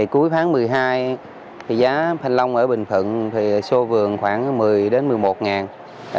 cuối tháng một mươi hai giá thanh long ở bình thuận xô vườn khoảng một mươi một mươi một đồng